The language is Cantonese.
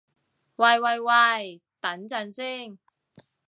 喂喂喂，等陣先